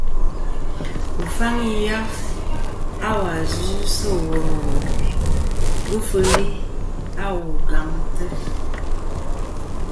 Wu faŋi yaf a wà dzɨ sɨ wul ɨlue lufɨli a wu gamtɨ.